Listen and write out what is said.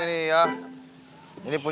ibu udah pulang